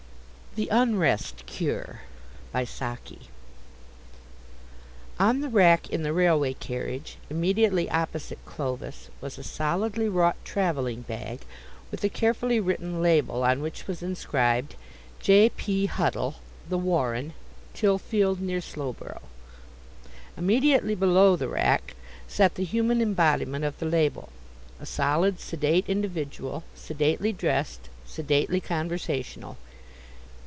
THE UNREST CURE On the rack in the railway carriage immediately opposite Clovis was a solidly wrought travelling bag, with a carefully written label, on which was inscribed, "J. P. Huddle, The Warren, Tilfield, near Slowborough." Immediately below the rack sat the human embodiment of the label, a solid, sedate individual, sedately dressed, sedately conversational.